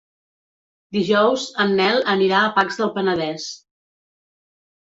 Dijous en Nel anirà a Pacs del Penedès.